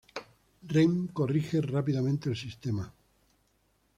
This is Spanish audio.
Rem corrige rápidamente el sistema.